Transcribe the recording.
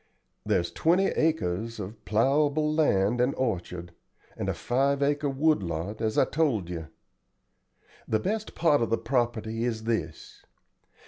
There's twenty acres of plowable land and orchard, and a five acre wood lot, as I told you. The best part of the property is this.